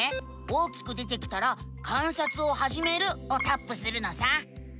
大きく出てきたら「観察をはじめる」をタップするのさ！